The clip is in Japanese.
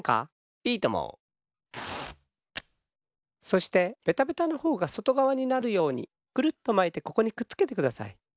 そしてベタベタのほうがそとがわになるようにくるっとまいてここにくっつけてください。